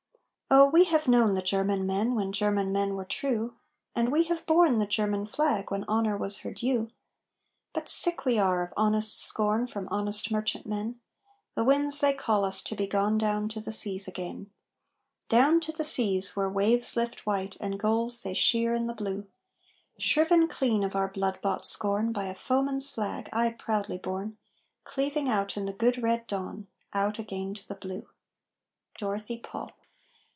Oh, we have known the German men when German men were true, And we have borne the German flag when honor was her due; But sick we are of honest scorn from honest merchant men The winds they call us to be gone down to the seas again Down to the seas where waves lift white and gulls they sheer in the blue, Shriven clean of our blood bought scorn By a foeman's flag ay, proudly borne! Cleaving out in the good red dawn Out again to the blue! DOROTHY PAUL.